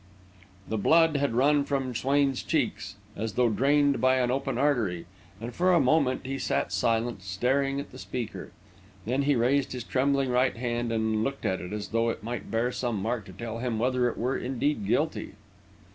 The blood had run from Swain's cheeks, as though drained by an open artery, and for a moment he sat silent, staring at the speaker. Then he raised his trembling right hand and looked at it, as though it might bear some mark to tell him whether it were indeed guilty.